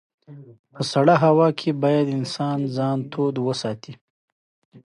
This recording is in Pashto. په سړه هوا کې به انسان ځان توداوه.